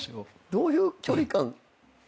どういう距離感。